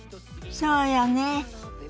そうよね。